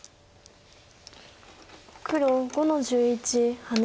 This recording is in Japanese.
黒５の十一ハネ。